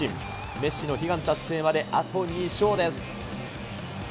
メッシの悲願達成まであと２勝です。